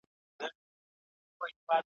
ښوونځي ماشومانو ته د ګډ ژوند اخلاق ښيي.